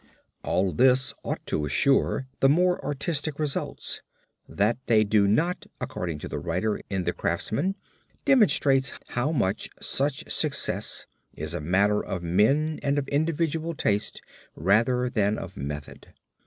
All this ought to assure the more artistic results; that they do not according to the writer in The Craftsman, demonstrates how much such success is a matter of men and of individual taste rather than of method.